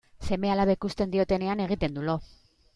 Seme-alabek uzten diotenean egiten du lo.